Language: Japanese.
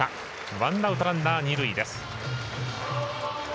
ワンアウト、ランナー、二塁です。